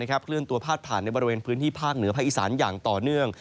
เคลื่อนตัวพาดผ่านในบริเวณพื้นที่ภาคเหนือภาคอีสานอย่างต่อเนื่อง